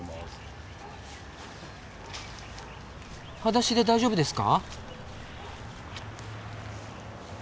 はだしで大丈夫ですか？